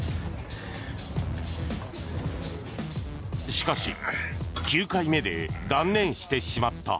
しかし９回目で断念してしまった。